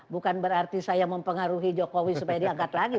bukan berarti saya mempengaruhi jokowi supaya diangkat lagi